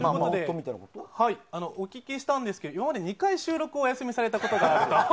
お聞きしたんですが今まで２回、収録をお休みされたことがあると。